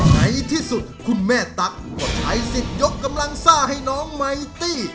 ในที่สุดคุณแม่ตั๊กก็ใช้สิทธิ์ยกกำลังซ่าให้น้องไมตี้